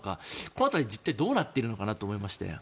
この辺りって一体どうなっているのかなと思いまして。